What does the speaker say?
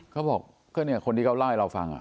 เขาบอกคนที่เขาเล่าให้เราฟัง